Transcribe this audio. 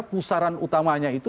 pusaran utamanya itu